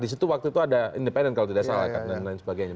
di situ waktu itu ada independen kalau tidak salah dan lain sebagainya